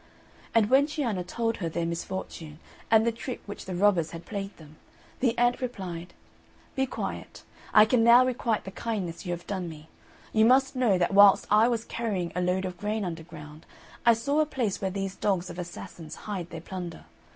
And when Cianna told her their misfortune, and the trick which the robbers had played them, the ant replied, "Be quiet, I can now requite the kindness you have done me. You must know, that whilst I was carrying a load of grain underground, I saw a place where these dogs of assassins hide their plunder.